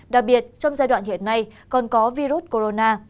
đặc biệt trong giai đoạn hiện nay còn có virus corona